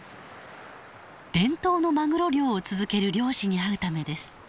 伝統のマグロ漁を続ける漁師に会うためです。